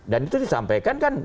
dan itu disampaikan kan